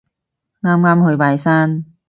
啱啱去拜山